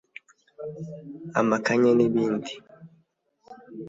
amakanya n’ibindi